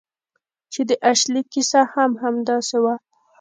چې د اشلي کیسه هم همداسې وه